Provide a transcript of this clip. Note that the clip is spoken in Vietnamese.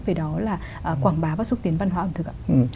về đó là quảng bá và xúc tiến văn hóa ẩm thực ạ